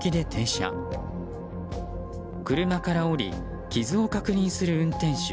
車から降り傷を確認する運転手。